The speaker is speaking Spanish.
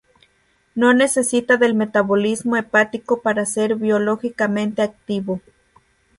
No necesita del metabolismo hepático para ser biológicamente activo.